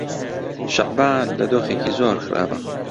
شەعبان لە دۆخێکی زۆر خراپە.